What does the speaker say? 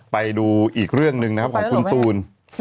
ไปดูอีกเรื่องหนึ่งนะครับของคุณตูน